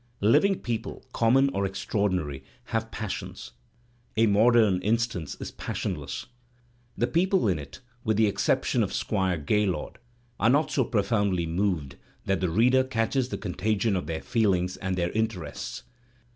Living people, common or extraordinary, have passions. "A Modem Instance " is passionless. The people in it, with the exception of Squire Gaylord, are not so pro foundly moved that the reader catches the contagion of their feelings and their interests.